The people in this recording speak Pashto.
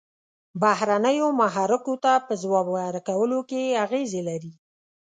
بهرنیو محرکو ته په ځواب ورکولو کې اغیزې لري.